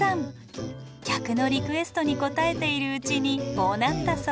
客のリクエストに応えているうちにこうなったそう。